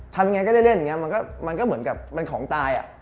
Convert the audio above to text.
ทำยังไงก็ได้เล่นมันก็เหมือนกับมันของตายอ่ะ